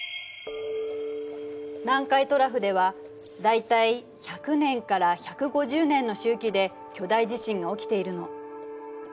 南海トラフでは大体１００年から１５０年の周期で巨大地震が起きているの。